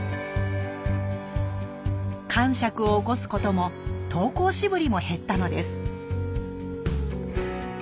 かんしゃくを起こすことも登校しぶりも減ったのです。